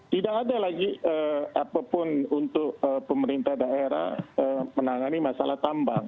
tidak ada lagi apapun untuk pemerintah daerah menangani masalah tambang